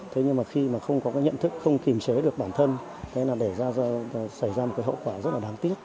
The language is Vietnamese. thế nhưng mà khi mà không có cái nhận thức không kìm chế được bản thân hay là để xảy ra một cái hậu quả rất là đáng tiếc